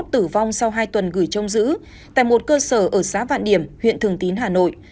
tử vong sau hai tuần gửi trông giữ tại một cơ sở ở xã vạn điểm huyện thường tín hà nội